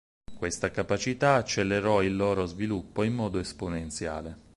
Questa capacità accelerò il loro sviluppo in modo esponenziale.